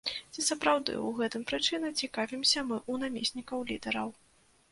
Ці сапраўды ў гэтым прычына, цікавімся мы ў намеснікаў лідараў.